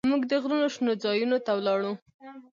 موږ د غرونو شنو ځايونو ته ولاړو.